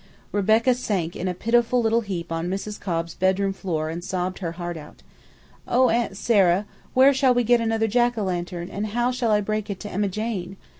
Rebecca sank in a pitiful little heap on Mrs. Cobb's bedroom floor and sobbed her heart out. "Oh, Aunt Sarah, where shall we get another Jack o' lantern, and how shall I break it to Emma Jane?